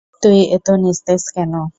তুই এত নিস্তেজ কেন?